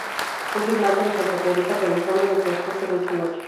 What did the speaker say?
Fue filmada en Santa Clarita, California, en el transcurso de ocho noches.